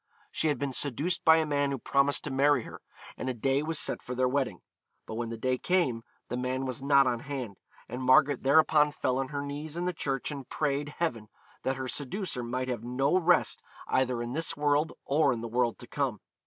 She had been seduced by a man who promised to marry her, and a day was set for their wedding; but when the day came, the man was not on hand, and Margaret thereupon fell on her knees in the church and prayed Heaven that her seducer might have no rest either in this world or in the world to come.